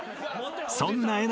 ［そんなえ